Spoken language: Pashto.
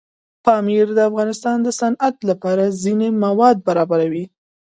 پامیر د افغانستان د صنعت لپاره ځینې مواد برابروي.